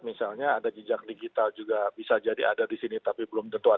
misalnya ada jejak digital juga bisa jadi ada di sini tapi belum tentu ada